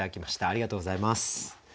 ありがとうございます。